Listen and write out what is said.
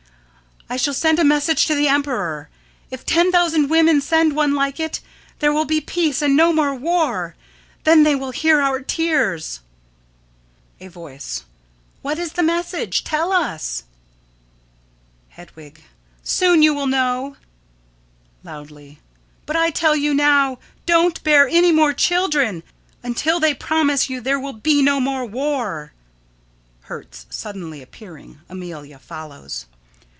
_] I shall send a message to the emperor. If ten thousand women send one like it, there will be peace and no more war. Then they will hear our tears. A Voice: What is the message? Tell us! Hedwig: Soon you will know. [Loudly.] But I tell you now, don't bear any more children until they promise you there will be no more war. Hertz: [_Suddenly appearing. Amelia follows.